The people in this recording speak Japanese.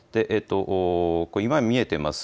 今見えています